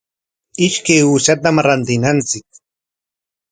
Ishkay uushatam rantinanchik.